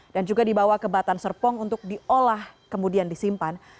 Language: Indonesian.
dan juga dibawa ke batan serpong untuk diolah kemudian disimpan